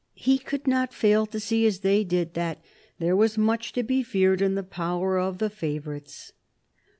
He could not fail to see, as they did, that " there was much to be feared in the power of the favourites."